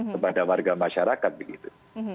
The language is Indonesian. kepada warga masyarakat begitu